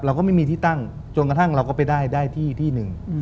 เราก็ไม่มีที่ตั้งจนกระทั่งเราก็ไปได้ที่ที่หนึ่ง